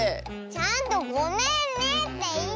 ちゃんと「ごめんね」っていってよ。